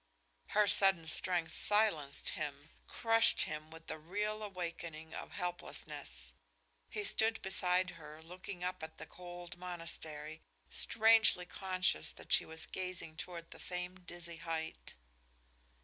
Her sudden strength silenced him, crushed him with the real awakening of helplessness. He stood beside her, looking up at the cold monastery, strangely conscious that she was gazing toward the same dizzy height.